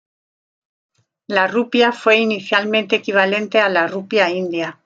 La rupia fue inicialmente equivalente a la rupia india.